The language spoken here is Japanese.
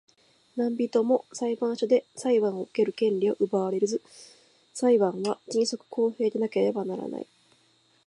何人（なんびと）も裁判所で裁判を受ける権利を奪われず、裁判は迅速公平でなければならない。